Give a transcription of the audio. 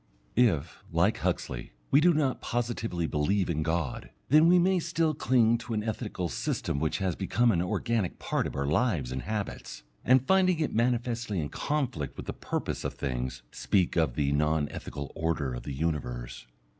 If, like Huxley, we do not positively believe in God, then we may still cling to an ethical system which has become an organic part of our lives and habits, and finding it manifestly in conflict with the purpose of things, speak of the non ethical order of the universe.